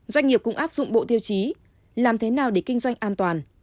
doanh nghiệp cũng áp dụng bộ tiêu chí làm thế nào để kinh doanh an toàn